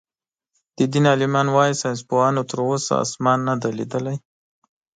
د دين عالمان وايي ساينسپوهانو تر اوسه آسمان نۀ دئ ليدلی.